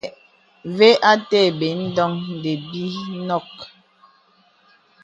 Və atə̀ bəs ndɔŋ té bi nɔk.